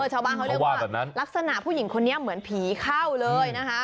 ชาวบ้านเขาเรียกว่าลักษณะผู้หญิงคนนี้เหมือนผีเข้าเลยนะคะ